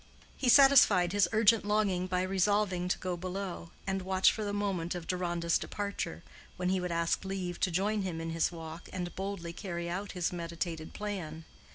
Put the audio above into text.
He satisfied his urgent longing by resolving to go below, and watch for the moment of Deronda's departure, when he would ask leave to join him in his walk and boldly carry out his meditated plan.